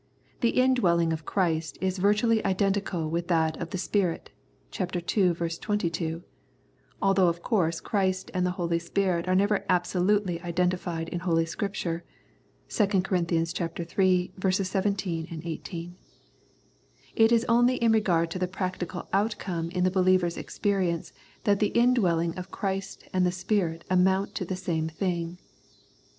The indwelling of Christ is virtually identical with that of the Spirit (ch. ii. 22), although of course Christ and the Holy Spirit are never absolutely identified in Holy Scripture (2 Cor. iii. 17, 18). It is only in regard to the practical outcome in the believer's experience that the indwelling of Christ and the Spirit amount to the same thing.